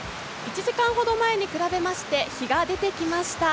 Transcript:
１時間ほど前に比べまして日が出てきました。